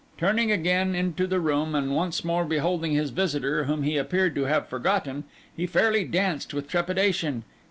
Turning again into the room, and once more beholding his visitor, whom he appeared to have forgotten, he fairly danced with trepidation.